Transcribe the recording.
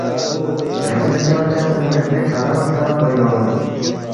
دوسے چنگ چنگ سہ میدپی ٹھلنگ تھنگ پو یود۔